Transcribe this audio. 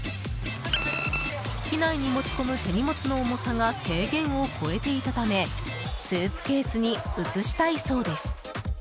機内に持ち込む手荷物の重さが制限を超えていたためスーツケースに移したいそうです。